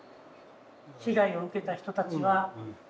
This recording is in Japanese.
被害を受けた人たちは。